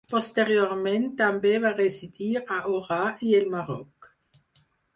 Posteriorment també va residir a Orà i el Marroc.